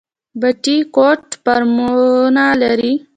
بټي کوټ فارمونه لري؟